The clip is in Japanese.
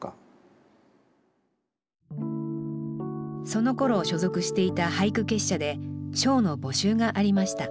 そのころ所属していた俳句結社で賞の募集がありました